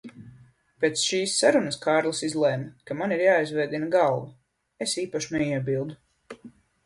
Pēc šīs sarunas Kārlis izlēma, ka man ir jāizvēdina galva. Es īpaši neiebildu.